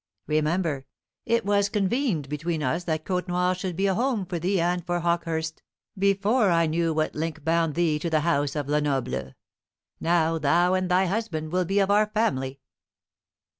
Remember, it was convened between us that Côtenoir should be a home for thee and for Hawkehurst before I knew what link bound thee to the house of Lenoble. Now thou and thy husband will be of our family."